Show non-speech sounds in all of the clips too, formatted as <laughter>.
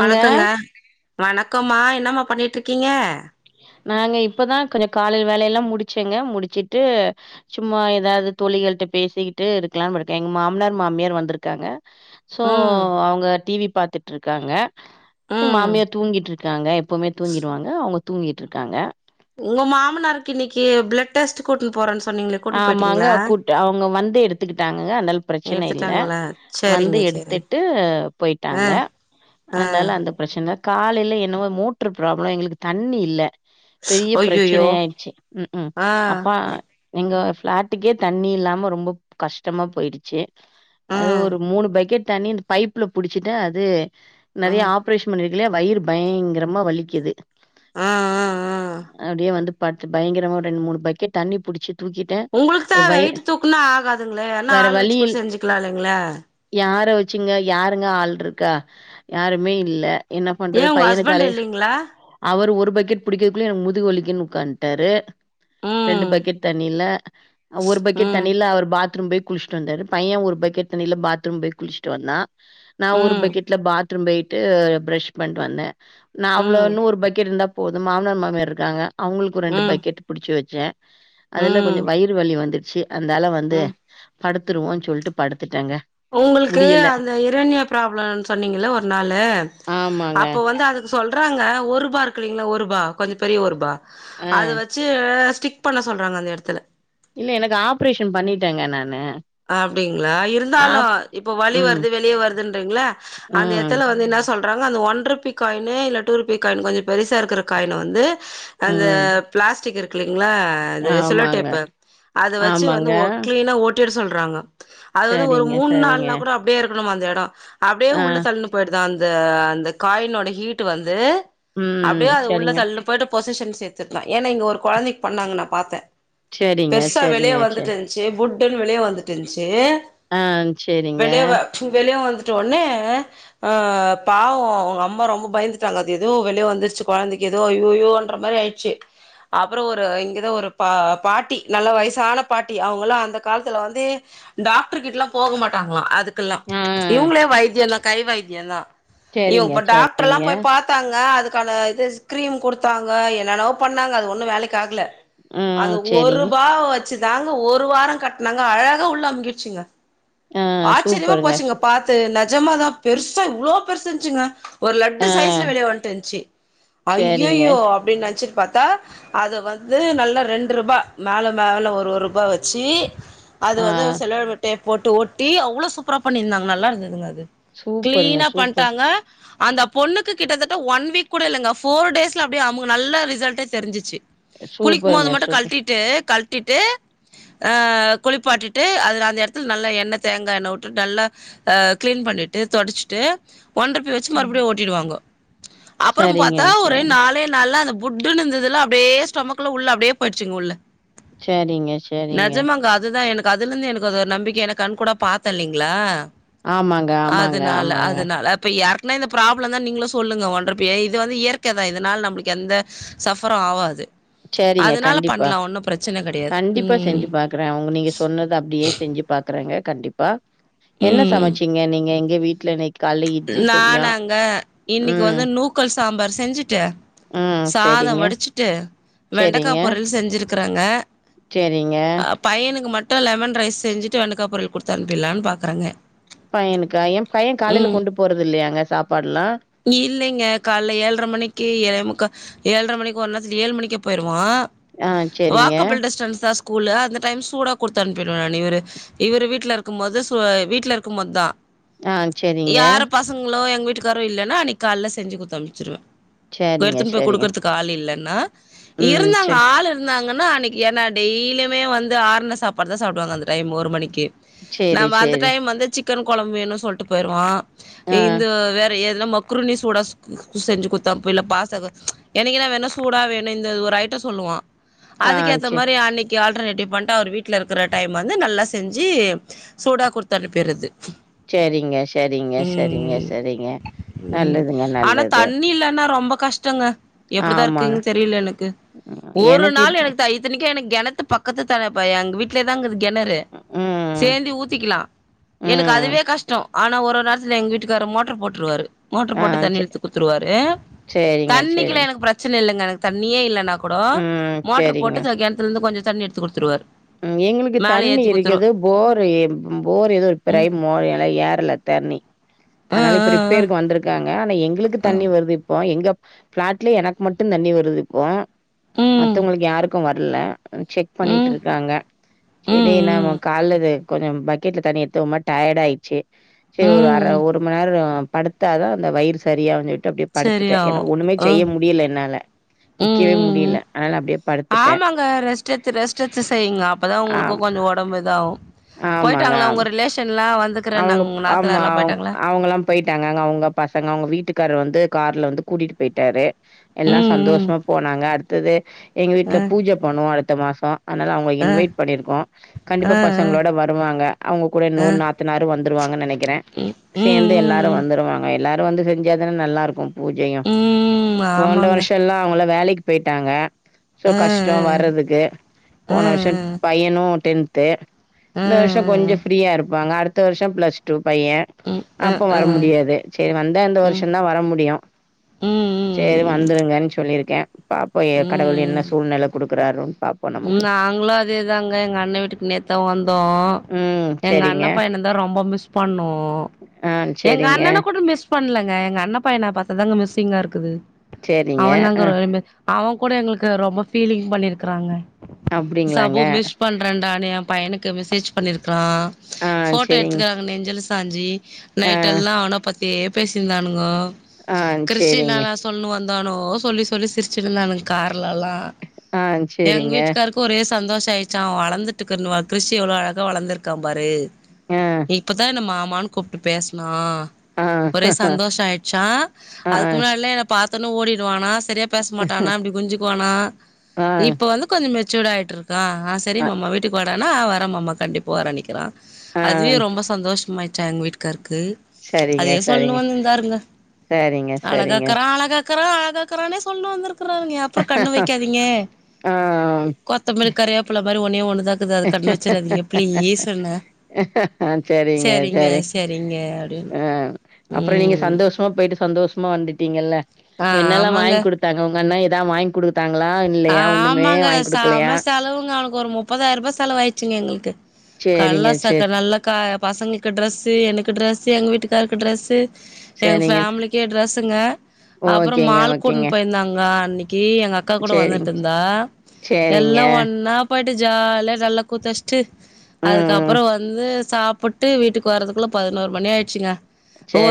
வணக்கங்க வணக்கம்மா என்னமா பண்ணிட்டு இருகீங்க நாங்க இப்போதா கொஞ்ச காலைல வேலையெல்லா முடிச்சேங்க முடிச்சிட்டு சும்மா ஏதாவது தோழிகள்ட்ட பேசிகிட்டு இருக்கலானு இருக்கேன் எங்க மாமனார் மாமியார் வந்திருக்காங்க சோ ம் அவுங்க டிவி பாத்துட் ருக்காங்க எங்க ம் மாமியார் தூங்கிட்டு இருக்காங்க எப்பவுமே தூங்கிடுவாங்க அவங்க தூங்கிட்டு இருக்காங்க உங்க மாமனார்க்கு இன்னைக்கு பிளட் டெஸ்ட் கூட்னு போறேன்னு சொன் ஆமாங்க கூட்டு அவங்க வந்து எடுத்துகிட்டாங்க அதுனால பிரச்சனை இல்ல எடுத்துட்டாங்களா வந்து சரிங்க சரிங்க எடுத்துட் த்துட்டு ஆ போயிட்டாங்க ஆ அதனால அந்த பிரச்சனை காலையில என்னவோ மோட்டர் ப்ராப்ளோ எங்களுக்கு தண்ணி இல்ல பெரிய பிரச்சனை ஐயையோ ஆய்டுச்சு ம் உ ஆ அப்பா எங்க பிளாட்டுகே தண்ணி இல்லாம ரொம்ப கஷ்டமா போய்டுச்சு அது ம் ஒரு மூணு பக்கெட் தண்ணி ந்த பைப்புல புடிசுட்டு அது நெறைய ம் ஆப்ரேஷன் பண்ணிருக்குல்லயா வயிறு பயங்கரமா வலிக்குது ஆ ஆ ஆ அப்படியே வந்து படுத்து பயங்கரமா ரெண்டு மூணு பக்கெட் தண்ணி புடிச் உங்களுக்கு தா வெயிட்டு தூக்குன்னா ஆகாதுங்களே வேன்னா வேற ஆளு வழி வச்சு இல் புடிச்சு செஞ்சுகலாங்கல யார வச்சுங்க யாருங்க ஆள் இருக்கா யாருமே இல்ல என்ன பண்றது ஏன் உங்க பையனுகு ஹஸ்பண்ட் அலைய இல்லைங்களா அவரு ஒரு பக்கெட் பிடிக்கதுகுள்ள எனக்கு முதுகு வலிக்கிதுன்னு உக்காந்துட்டாரு ரெண்டு ம் பக்கெட் தண்ணில ஒரு பக்கெட் ம் தண்ணியில அவர் பாத் பாத்ரூம் போய் குளிசுட்டு வந்தாரு பையன் ஒரு பக்கெட் தண்ணீர்ல பாத்ரூம் போய் குளிச்சுட்டு வந்தான் நான் ஒரு ம் பக்கெட்ல பாத் பாத்ரூம் போயிட்டு பிரஷ் பண்ட்டு வந்தே நான் ம் அவ்வளன்னு ஒரு பக்கெட் இருந்தா போது மாமனார் மாமியார் இருக்காங்க அவங்களுக்கு ரெண்டு ம் பக்கெட் புடிச்சு வச்சே ம் அதுல கொஞ்ச ம் வயிறு வலி வந்துடுச்சு அந்தால வந்து ம் படுத்துடுவோன்னு சொல்ட்டு படுத்துட்டேங்க ஒங்களுக்கு முடியல அந்த யுரானிய பராப்ளம்ன் சொன்னீங்கள்வ ஒரு நாளு ஆமாங்க அப்போ வந்து அது சொல்றாங்க ஒரு ருபா இருக்குலைங்களா ஒரு ருபா கொஞ்ச பெரிய ஒரு ருபா ஆ அது வச்சு ஸ்டிக் பண்ண சொல்றாங்க அந்த எடத்துல இல்ல எனக்கு ஆப்ரேஷன் பண்ணிட்டேங்க நானு அப்டிங்களா இருந்தாலு ஆப் இப்ப வழி ம் வருது வெளியே வருதுன்றீங்களே அந்த ம் ஏடத்துல வந்து என்ன ச் சொல்றாங்க அந்த ஒன் ருபி காயின்னு இல்ல டூ ருபி காயின் கொஞ்ச பெருசா இருக்குற காயின வந்து அந்த ம் பிளாஸ்டிக் இரு க்குலிங்க்ளா அது செல்லோ ஆமாங்க டேப்பு அத வச்சு வந்து ஆமாங்க ஒ கிளீனா ஓட்டிட சொல்றாங்க அது வந்து ஒரு சரிங்க மூண் சரிங்க நாள்னா கூட அப்டியே இருக்கணுமா அந்த எடொ அப்டியே ஆ உள்ள தள்னு போயிடு தா அந்த அந்த காயினோட ஹீட் வந்து அப்டியே ம் அது உள்ள சரிங்க தள்ளுனு போயிட்டு பொசிஷன் சேர்த்துக்லா ஏன்னா இங்க ஒரு கொழந்தைக்கு பண்ணாங்க நா பாத்தே சரிங்க, பெருசா வெளியே சரிங்க, சரி. வந்துட்டு ச்சு புட்டுன்னு வெளியே வந்துட்டு இருன்ச்சு ஆ சரிங்க. வெளிய வ ச்சு வெளியே வந்துட்ட ஒடனே ஆ பாவோ அவங்க அம்மா ரொம்ப பயந்துட்டாங்க அது எதோ வெளிய வந்துருச்சு கொழந்தைக்கு ஏதோ ஐயயோன்ற மாரி ஆயி ச்சு அப்புறோ ஒரு இங்கெதா ஒரு பா பாட்டி நல்லா வயசான பாட்டி அவங்களா அந்த காலத்துல வந்து டாக்டர் கிட்டல்லா போக மாட்டாங்களா அதுக்கெல்லா ஆ இவங்களே வைத்தியலா கை வைத்திய தா இவ சரிங்க, இப்ப டாக்டர் எல்லா சரிங்க. போய் பாத் பாங்க அதுக்கான இது ஸ்கிரீம் குடுத்தாங்க என்னென்னவோ பண்ணாங்க அது ஒண்ணு வேலைக்கு ஆகுல ம் அந்த சரிங்க. ஒருபா வ ச்சு தாங்க ஒரு வார கட்னாங்க அழகா உள்ள அமங்கிச்சுங்க ஆ ஆச்சரியமா சூப்பருங்க. போச்சுங்க சு பாத்து நஜமாதா பெருசா இவ்ளோ பெருசு இருச்சுங்க ஒரு லட்டு ஆ சைஸ்ல வெளிய வந்ட்டுன்ச்சு சரிங்க. ஐயய்யோ அப்டின்னு நெனச்சிட் பாத்தா அது வந்து நல்லா ரெண்டு ருபா மேல மேல ஒரு ஒரு ருபா வச்சி அது ஆ வந்து செல்லோ டேப் போட்டு ஒட்டி அவ்வளோ சூப்பரா பண்ணியிருந்தாங்க நல்லா இருந்ததுங்க அது சூப்பருங்க, கிளீனா சூப்பர். பண்டாங்க அந்த பொண்ணுக்கு கிட்டத்தட்ட ஒன் வீக் கூட இல்லங்க ஃபோர் டேஸ்ல அப்டியே அமுக்கு நல்ல ரிசல்டே தெரிஞ்சுச்சு குளிக்கும்போது சூப்பருங்க, மட்டு சூப்பர். கழ்ட்டிட்டு கழ்ட்டிட்டு ஆ குளிப்பாட்டிட்டு அதுல அந்த எடத்துல நல்லா எண்ணெ தேங்கா எண்ணெ வுட்டு நல்லா ஆ கிளீன் பண்ணிட்டு தொடச்சிட்டு ஒன் ரூபி வெ ச்சு ம். மறுபடியு ஓட்டிடுவாங்க அப்புறோ சரிங்க, பாத்தா ஒரே சரிங்க. நாளே நாள்ல அந்த புட்டுன்னு இருந்ததுலா அப்டியே ஸ்டமக்ல உள்ள அப்டியே போயிடுச்சுங்க உள்ள சரிங்க, சரிங்க. நெஜமாங்க அதுதா எனக்கு அதுல இருந்து அது ஒரு நம்பிக்க எனா கண் கூட பாத்தே இல்லைங்களா ஆமாங்க, ஆமாங்க, அதுனால ஆமாங்க. அதுனா அப்ப யர் னா இந்த ப்ராப்ளம் தா நீங்களு சொல்லுங்க ஒன் ருபிய இது வந்து இயற்கதா இதனால் நம்ப்ளுக்கு எந்த சஃபரரு ஆவாது சரிங்க, அதனால கண்டிப்பா. பண்லா ஒன்னு பிரச்சன கெடையாது ம் க்றே அவங்க நீங்க சொன்னது அப்டியே செஞ்சு பாக்குறாங்க கண்டிப்பா என்ன ம் சமச்சீங்க நீங்க எங்க வீட்ல இன்னைக் நானாங்க இன்னைக்கு ம், வந்து நூக்கல் சாம்பார் செஞ்சுட்டு ம் செரிங்க டு வெண்டக்கா பொர்யல் செஞ்சுருக்குறேகேங்க சரிங்க. ஆ பையனுக்கு மட்டு லெமன் ரைஸ் செஞ்சுட்டு வெண்டக்கா பொரியல் குடுத்து அனுப்பிட்லான்னு பாக்கறங்க பையனுக்கா எ பைய காலையில கொண்டு போறது இல்லையாங்க சாப்பாடுலா இல்லைங்க கால்ல ஏழ்ர மணிக்கு ஏழேமுக்கா ஏழர மணிக்கு ஒரு நா ஏழு மணிக்கு போயிருவா ஆ சரிங்க, வாக்கபிள் டிஸ்டன்ஸ் தா ஸ் கூலு அந்த டைம் சூடா கொடுத்து அனுப்பிருவேன் இவரு இவரு வீட்டுல இருக்கும் போது சூ வீட்ல இருக்கும்போ தா ஆ சரிங்க பசங்களோ எங்க வீட்டுக்காரோ இல்லன்னா அன்னைக்கு கால்ல செஞ்சு குத்து அம்ச்சிருவே சரிங்க, எடுத்துன் போய் சரிங்க. குடுக்கறதுக் காள் இல்லன்னு ம். இருந்தாங்க சரி, ஆளு இருந்தாங்கன்னா அன்னிக்கு ஏன்னா டெய்லியுமே வந்து ஆறுன சாப்பாடு தா சாப்ட்டுவாங்க அந்த டைம் ஒரு மணிக்கு சரி, நாம அந்த சரி. டைம் வந்து சிக் க்கன் கொழம்பு வேன்னு சொல்ட்டு போயிருவா ஆ, இந்த வேற எது நம் குருனி சூடா செஞ்சு குடுத்தா போ இல்ல பாஸ்து எனக்கு என்ன வேணு சூடா வேணு இந்த ஒரு ஐட்டோ சொல்லுவா ஆ. அதுக்கேத்த சே மாரி அன்னிக் க்கி ஆல்டர்னேட்டிவ் பண்ணிட்டு அவரு வீட்ல இருக்கிற டைம் வந்து நல்லா செஞ்சு சூடா குடுத்து அனுப்பிறது செரிங்க ம் ம் நல்லதுங்க, ஆனா நல்லது. தண்ணி இல்லன்னா ரொம்ப கஷ்டங்க எப்டிதா ஆமாங்க. இருக்கிங்க தெரில எனக்கு ம். ஒரு எனக்கு நாள் இப்போ எனக் இத்தனிக்க எனக்கு கெணத்து பக்கத்து இப்ப எங்க வீட்லயே தா இக்குது கெணறு ம், சேந்து ஊத்திக்கலா எனக்கு ம். அதுவே கஷ்டோ ஆனா ஒரு ஒரு நேரத்தில எங்க வீட்டுக்கார்ரு மோட்டர் போட்டுருவாரு மோட்டர் ஆ போட்டு தண்ணி சே இழுத்து குத்துருவாரு சரிங்க, தண்ணிக்கில்ல சரிங்க. எனக்கு பிரச்சன இல்லங்க எனக்கு தண்ணியே இல்லன்னா கூடோ ம். மோட்டர் சரிங்க. போட்டு கெணத்துல இருந்து கொஞ்சோ தண்ணி எடுத்து குடுத்துருவாரு ம் எங்களுக்கு மேல தண்ணி ஏத்தி குடுத்துரு இருக்குது போரு போர் எதோ ரிப்பேர் ம் ஆயி மோ ஏறல தண்ணி ஆ அதனால இப்ப ஆ ஆ ரிப்பேருக்கு வந்திருக்காங்க ஆனா எங்களுக்கு தண்ணி வருது இப்போ எங்க பிளாட்லய எனக்கு மட்டு தண்ணி வருது இப்ப ம் மத்தவங்களுக்கு யாருக்கு வரல செக் ம் க்காங்க செரி ம் நம்ம ம் கால்ல கொஞ்சோ பக்கெட்ல தண்ணி எத்து ஒரு மாரி டயட் ஆயிச்சு செரி ஒரு அர ம் ஒரு மணி நேரோ படுத்தாதா அந்த வயிறு செரியாவு அப்டின்னு சொல்ட்டு அப்டி படுத்துட்டே சரியாவு ஏன்னா ஒண்ணுமே அ செய்ய முடியல என்னால ம் நிக்கவே ம் முடியல ம் அதனால அப்டியே படுத்துட்டே ஆமாங்க ரெஸ்ட் எடுத்து ரெஸ்ட் எடுத்து செய்ங்க அப்பதா உங்களுக்கு ஆம் கொஞ்சோ ஒடம்பு இதாகு போயிட்டாங்ளா உங்க ரிலேஷன்லா வந்து அவுங்க ஆமா அவுங்க அவுங்கெலாம போய்ட்டாங்க அவங்க அவுங்க பசங்க அவுங்க வீட்டுக்காரு வந்து கார்ல வந்து கூட்டிட்டு போய்ட்டாரு எல்லா ம் சந்தோஷமா போனாங்க த்தது எங்க ம் வீட்ல அ பூஜ பண்ணவோ அடுத்த மாசோ அதனால அவங்களுக்கு அ இன்வைட் பண்ணிருக்கோ கண்டிப்பா அ பசங் அ களோ வருவாங்க அவங்க கூட அ இன்னெரு நாத்தநாரு வந்துருவாங்கனு நெனைக்கிறே ம் ம் சேந்து எல்லாரு ம் ம் வந்துருவாங்க எல்லாரு வந்து செஞ்சா தானா நல்லா இருக்கு ஓகேங்க ம் போன்ட ஆமாங்க வருஷோ எல்லா அவங்கெல்லா வேலைக்கு போயிட்டாங்க சோ அ கஷ்டோ அ வர்றதுக்கு அ அ போன வருஷோ பையனு டென்த்து அ அ இந்த வருஷோ கொஞ்சோ ஃப்ரீயா இருப்பாங்க அடுத்த வருஷோ பிளஸ் டூ பைய ம் அ அப்ப வர அ முடியாது சேரி வந்த அந்த ம் வருஷ தா வர முடியு ம் சேரி ம் வந்துருங்கன்னு சொல்லியிருக்கே பாப்போ கடவுள் ம் என்ன சூழ்நிலை கொடுக்குறாரு ம் நாங்களு அதேதாங்க எங்க அண்ண வீட்டுக்கு நேத் த்த வந்தோ ம் எங்க சரிங்க அண்ண பையன தா ரொம்ப மிஸ் பண்ணோ ஆ எங்க சரிங்க அண்ணண கூட மிஸ் பண்ணலங்க எங்க அண்ண பையனா பாத்தா தாங்க மிஸ்ஸிங்கா இருக்குது சரிங்க அவ தாங்க அ <unintelligible> அவ கூட எங்களுக்கு ரொம்ப ஃபீலிங் பண்ணிருக்குறாங்க சபு அப்டிங்களாங்க மிஸ் பண்றேன்டானு ஏ பையனுக்கு மெசேஜ் பண்ணிருக்கிறா ஆ போட்டோ சரிங்க எடுத்துக்கிறாங்க நெஞ்சில சாஞ்சி ஆ நைட் எல்லா அவன பத்தி யே பேசினிருந்தானுங்கோ ஆ கிருஷி சரிங்க நாலா சொல்னு வந்தானோ சொல்லி சொல்லி சிரிச்சுனுருந்தானுங்க கார்லல்லா அ செரிங்க அவருக்கு ஒரே சந்தோஷோ ஆயிடுச்சா அவ வளந்துட்டுக்குவா கிருஷ் எவ்ளோ அழகா வளந்திருக்கா பாரு ஆ இப்பதா என்ன மாமான்னு கூப்ட்டு பேசனா ஆ ஒரே சந்தோஷோ ஆயிடுச்சா ஆ அதுக்கு முன்னாட்லா என்ன பாத்தோன்னே ஓடிடுவானா செரியா பேச பேச மாட்டானா இப்டி குனுஞ்சுக்குவானா ஆ இப்ப வந்து கொஞ்சோ மெச்சூட் ஆயிட்டு இருக் கிறா அ செரி மாமா வீட்டுக்கு வாடானா வரேம் மாமா கண்டிப்பா வர நிக்கிறா ஆ அதுவே ரொம்ப சந்தோஷமாயிடுச்சா எங்க வீட்டுக்காரருக்கு சரிங்க அதைதே சொல்ணு சரிங்க வந்து இருந்தாருங்க சரிங்க சரிங்க அழகாக்கிறா அழகா க்கிறா அழகாக்கிறான்னே சொல்ண்னு வந்திருக்கறாங்க எப் ஆ ம் கொத்தமல்லி கரிவேப்புல மாரி ஒன்னே ஒண்ணுதாக்குது அத கண்ணு வெச்சிறாதிங்க பிளீஸ்ன்னு. அ செரிங்க செரி சரிங்க அப்டின்னு அ அப்புறோ நீங்க ம் சந்தோஷ் மா போய்ட்டு சந்தோஷ்மா வந்துட்டிங்கள்ல ஆ என்னெல்லா வாய்ங்க் ஆமாங்க குடுத்தாங்க உங்கண்ணா எதா வாய்ங்க் குடுத்தாங்களா? ஆ இல்லையா ஒண்ணுமே ஆம்மாங்க வாங்கி குடுக்கலையா சம செலவுங்க அவுனு ஒரு முப்பதாய்ருபா செலவாய்ச்சுங்க எங்குள்க்கு சேரிங்க கல்லாசக்க சேரி நல்லா க பசங்கள்க்கு ட்ரெஸ்ஸு எனுக்கு ட்ரெஸ்ஸு எங் வீட்டுக்காருக்கு டிரெஸ்ஸு. எங் சேரிங்க ஃபேமிலிக்கே டிரெஸ்ஸுங்க. அப்புறோ ஓகேங்க மால்க் ஓகேங்க கூட்ன் போயிந்தாங்க அன்னிக் கி எங்கக்கா கூட சேரிங்க வந்துட்டுந்தா. சேரிங்க எல்லா ஒன்னாப் போய்ட்டு ஜால்யா நல்லா கூத்தச்ட்டு ம் அதுக்கப்புறோ ம் வந்து சாப்பு ட்டு வீட்டுக்கு வரதுக்குள்ள பதினோரு மணி ஆயிர்ச்சுங்க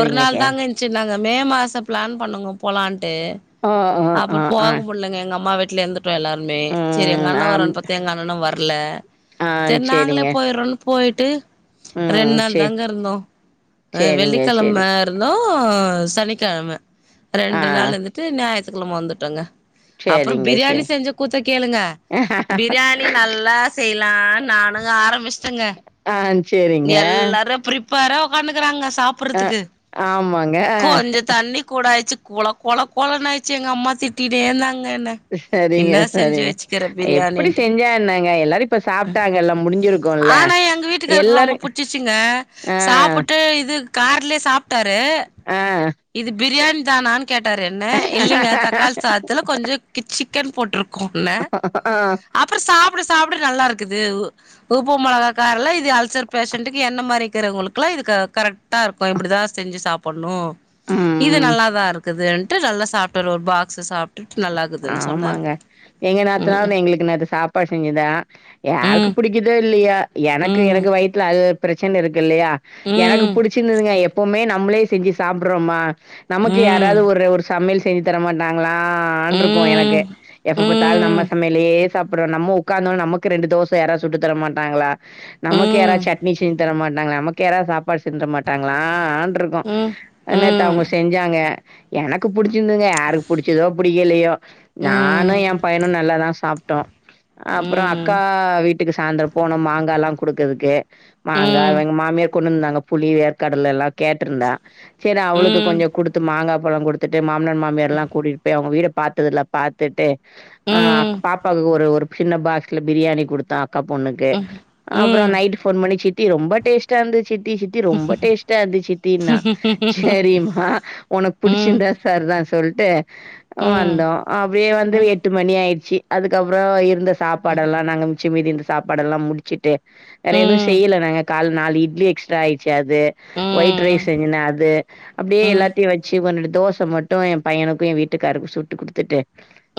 ஒரு நாள் சேரி தாங்க ச்சிந்தாங்க மே மாச பிளான் பண்ணோங்க போலான்ட்டு ஆ ஆ ஆ அப்பற் ஆ போக முல்லங்க. அம்மா வீட்ல இருந்துட்டோ எல்லார்மே செரி எங்க ம் அண்ண ஆம் வருவான் பாத்தா எங்க அண்ணனு வர்ல. ஆ செர் நாங்ளே சேரிங்க போய்றோன்னு போய்ட்டு ரெண் ம் நாள் சே தாங்க இருந்தோ அ சேரிங்க சேரி வெள்ளிக்கெழம ருந்தோ சனிக்கெழம ஆ ரெண்டு நாள் இந்துட்டு ஞாய்த்துக்கெழம வந்துட்டங்க. அப்புற சேரிங்க பிரியாணி சேரி செஞ்ச கூத்த கேளுங்க பிரியாணின் நல்லா செய்யலான் நானு ஆரம்பிச்டங்க ஆ சேரிங்க எல்லாரு ப்ரி பேரா ஒக்கான்னுக்குறாங்க ஆ சாப்பட்றதுக்கு ஆமாங்க ஆ கொஞ்ச தண்ணி கூட ஆயிச்சு கொல கொல கொலன்னு ஆயிச்சி எங்க அம்மா திட்டிட்டே இந்தாங்க என்ன. சரிங்க என்ன செஞ்சு சரிங்க வச்சுக்கிற எப்பிடி பிரியாணின்ட்டு செஞ்சா என்னங்க எல்லாரு இப்ப சாப்ட்டாங்கள்லா முடிஞ்சிரு ஆனா எங்க வீட்டுக்காருக்கு ரொம்ப புட்ச்சிச்சிங்க ஆ, சாப்புட்டு இது கார்லே சாப் டாரு ஆ. இது பிரியாணி தானான் கேட்டாரு என்ன இல்லிங்க தக்காளி சாதத்துல கொஞ்சோ கிச் சிக்கன் போட்ருக்கோ உள்ள ஆ அப்புற சாப்ட சாப்ட நல்லாருக்குது உ உப்பு மொளகா காரல்லா இது அல்சர் பேஷண்டக்கு என்ன மாரி இக்கறவங்குளுக்குல்லா இது க கரெக் ட்டாருக்கு இப்டிதா செஞ்சு சாப்பன்னு. ம், இது ம். நல்லாதா இருக்குதுன்ட்டு நல்லா சாப்ட்டாரு ஒரு பாக்ஸ சாப்ட்டுட்டு நல்லாக்குது ஆமாங்க எங்க நாத்தனாவு நெ எங்குளுக்கு நேத்து சாப்பாடு செஞ்சுந்தா யாருக்கு ம் புடிக்கி தோ இல்லையா எனக்கு ம் எனக்கு வயித்ல அது பிரச்சின இருக்கு இல்லியா எனக்கு ம் புடிச்சிந்துதுங்க எப்பவுமே நம்ளே செஞ்சி சாப்ட்றமா நமக்கு ம் யாராவ்து ஒரு ஒரு சமையல் செஞ்சி தர மாட்டாங்ளான்ரு க்கு எனக்கு ம் எப்ப பாத்தாலு நம்ம ம் சமைலியே சாப்பிட்றோ நம்மொ உக்காந்தொனே நமக்கு ரெண்டு தோச யாரா சுட்டுத்தர மாட்டாங்களா ம் நமக்கு யாரா ம் சட்னி செஞ் சு தர மாட்டாங்களா நமக்கு யாராவ் சாப்பாடு செஞ்ச்ற மாட்டாங்ளான்ருக்கு. ம் அ ம் ம் ம் நேத்து ம் அவுங்க செஞ்சாங்க எனக்கு புடிச்சிந்துதுங்க யாருக் புடிச்சிதோ புடிக்கலையோ நானு எம் பையனு நல்லாதா சாப்ட்டோ அப்புறோ ம் அக்கா வீட் ட்டுக்கு சாயந்தர போனோ மாங்கால்லா குடுக்கதுக்கு மாங்கா வெங் மாமியா கொண்ணு வந்தாங்க புளி வேர்க்கடல எல்லா கேட்ருந்தா செரி அவுளுக்கு கொஞ்சோ குடுத்து மாங்காப் பழோ குடு துட்டு மாம்னார் மாமியார்ல்லா கூட்டிட் போய் அவுங்க வீட டுதுல பாத்துட்டு அ அக் பாப்பாக்கு ஒரு ஒரு சின்ன பாக்ஸ்ல பிரியாணி குடுத்தா அக்கா பொண்ணுக்கு அப்புறோ நைட்டு ஃபோன் பண்ணி சிட்டி ரொம்ப டேஸ்ட்டா இருந்துது சிட்டி சி ட்டி ரொம்போ டேஸ்டா இருந்துது சிட்டின்னா செரிம்மா உன ம் ம் புடிச்சிந்தா சர்தான் சொல்ட்டு ம் வந்தோ அப்பிடியே வந்து ம் எ ட்டு மணி ஆயிர்ச்சி அதுக்கப்புறோ இருந்த சாப்பாடெல்லா நாங்க மிச்ச மீதி இருந்த சாப்பாடெல்லா முடிச்சிட்டு வேற எது ம் செய்ல நாங்க கால்ல நால் இட்லி எக்ஸ் ட்ரா ஆயிர்ச்சி அது ம் ஒயிட் ம் ரைஸ் செஞ்சிந்தே அது அப்டியே ம் எல்லாத்தியு வெச்சி ஒன்ரண்டு தோச ம ட்டு எம் பையனுக்கு எ வீட்டுக்காருக்கு சுட்டு குடுத்துட்டு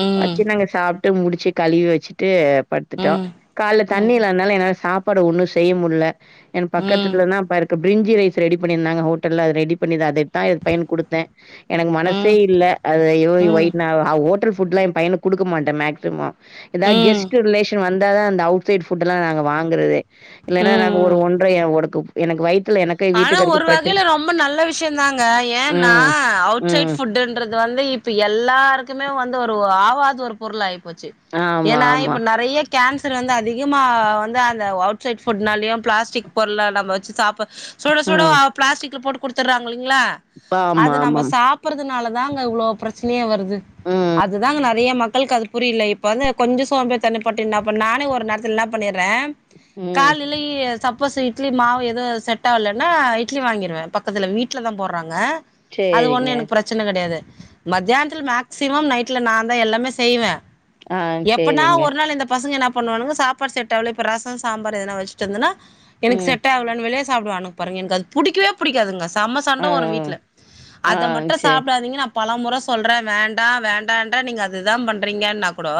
ம் ம் வச்சு நாங்க சாப்ட்டு முடிச்சி கழுவி வச்சுட்டு படுத்துட்டோ ம் கால்ல தண்ணி ம் இல்லானால என்னால சாப்பாடு ஒன்னு செய்ய முடில என் பக்கத்து வீட்லனா பா இருக்க பிரிஞ்சி ரைஸ் ரெடி பண்ணிருந்தாங்க ஹோட்டல்ல அது ரெடி பண்ணிதா அதத்தா என் பையனுக் குடுத்தே எனக்கு மனசே ம் இல்ல அதயோ வய் நா ஆ ஹோட்டல் ஃபுட்ல்லா என் பையனுக் குடுக்க மாட்டே மேக்சிமம் எதாது ம் கெஸ்ட்டு ரிலேஷன் வந்தா அந்த அவுட் சைட் ஃபுட் எல்லா நாங்க வாங்குறதே ம் இல்லைன்னா நா ஒரு ம் ஒன்றய ஒர்க்கு எனக்கு வயித்துல எனக்கு ஆனா ஒரு வீட்டுக்காருக்கு பிரச்சன வகையில ரொம்ப நல்ல விஷயோந்தாங்க ஏன்னா ம் அவுட் சைட் ம் ஃபுட்டு து வந்து இப்ப எல்லாருக்குமே வந்து ஒரு ஆவாது ஒரு பொருள் ஆயி போச்சு ஆமா ஏன்னா ஆமா இப்ப நெறைய கேன்சர் வந்து அதிகமா வந்து அந்த அவுட் சைட் ஃபுட்னாலயு பிளாஸ்டிக் பொருள நம்ம வச்சு சாப் சுட சுட ம் பிளாஸ்டிக்ல போட்டு குடுத்துறாலிங்க இல்லங்களா ஆமா அத நம்ம ஆமாம் சாப் பறதுனால தாங்க இவ்ளோ பிரச்சனயே வர்து ம் அதுதாங்க நெறைய மக்களுக்கு அது புரில இப்ப வந்து கொஞ்சோ சோம்பேரி தணப்பட்டு இன்னா பண்ண நானே ஒரு நேரத்துல என்ன பண்ணிறே ம் காலில சப்போஸ் இட்லி மாவு எதோ செட் டா இல்லென்னா இட்லி வாங்கிருவே பக்கத்துல வீட்டுலதா போட்றாங்க அது சேரிங்க ஒண்ணு எனக்கு பிரச் சன கெடையாது மத்தியானத்துல மேக்சிமம் நைட்ல நா தா எல்லாமே செய்வே ஆ எப்பனா சேரிங்க ஒரு நாள் இந்த பசங்க என்னா பண்ணுவானுங்க சாப்பாடு செட் ஆவல இப்ப ரசோ சாம்பார் எதனா வச்சுட்டு வந்தனா எனக்கு ம் செட் ஆவலனு வெளி சாப்டுவானுங்க பாருங்க எனக்கு அது புடிக்கவே பிடிக்காதுங்க சம சண்ட ஆ வரு வீட்டுல ஆ அத மட்டு சேரி சாப்டாதீங்கென்னு பலமுற சொல்கிறே வேண்டா வேண்டாண்ட நீங்க அது தா பண்ணுறீங்கென்னா கூடோ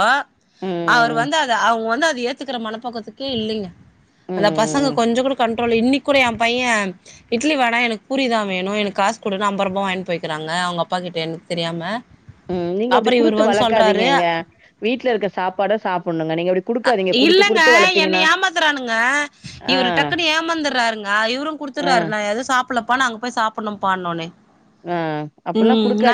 அவர் ம் வந்து அத அவுங்க வந்து அத ஏத்துக்கிற மனப்பக்குவத்துக்கே இல்லிங்க அந்த பசங்க ம் கொஞ்சோ கூட கண்ட்ரோல் இல் இன்னைகு கூட ஏ பையே இட்லி வேணா எனக்கு பூரிதா வேணு எனக்கு காசு குடுனு அம்பறுரூபா வாங்கின் போய்கிறாங்க அவுங்க அப்பா கிட்டேந்து எனக்கு தெரியாம உம் நீங்க அப்டி அப்புற இவர் குடுத்து வந்து சொல்றாரு வளக்காதீங்கங்க வீட்ல இருக்க சாப்பாட சாப்புணுங்க நீங்க அப்டி குடுக்காதீங்க குடுத்து இல்லங்க குடுத்து என்ன வளத்தீங்கன்னா ஏமாத்துறானுங்க ஆ இவரு டக்குனு ஏமாந்துறாருங்க அ இவரு ஆ குடுத்துறாரு நா எதுவு சாப்பிடலப்பா நா அங்க போய் சாப்பணும்பா ஒண்னோனே அ அப்பெல்லா குடுக்காதிங்